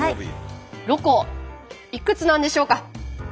ロコいくつなんでしょうか？